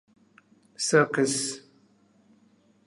Circus.